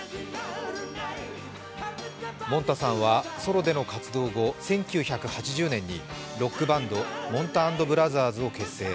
もんたさんは、ソロでの活動後、１９８０年にロックバンド・もんた＆ブラザーズを結成。